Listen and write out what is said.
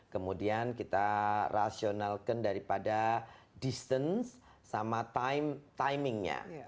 kemudian kita rasionalkan daripada distance sama timingnya